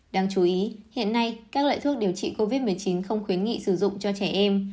đáng chú ý hiện nay các loại thuốc điều trị covid một mươi chín không khuyến nghị sử dụng cho trẻ em